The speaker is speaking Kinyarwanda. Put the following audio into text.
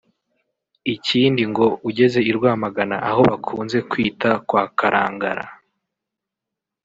Ikindi ngo ugeze i Rwamagana aho bakunze kwita kwa Karangara